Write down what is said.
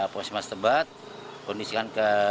pusmas tebat kondisikan ke